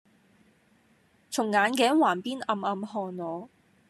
從眼鏡橫邊暗暗看我。